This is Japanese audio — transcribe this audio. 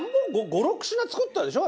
５６品作ったでしょ？